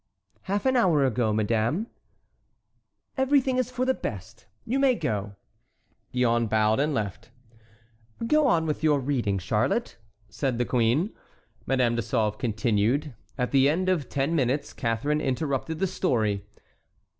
"Half an hour ago, madame." "Everything is for the best; you may go." Gillonne bowed and left. "Go on with your reading, Charlotte," said the queen. Madame de Sauve continued. At the end of ten minutes Catharine interrupted the story.